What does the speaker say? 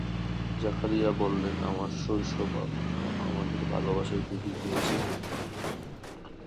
জাকারিয়া বললেন, আমার শৈশব আপনারা আপনাদের ভালবাসায় ডুবিয়ে দিয়েছিলেন।